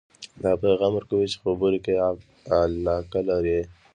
دا پیغام ورکوئ چې خبرو کې یې علاقه لرئ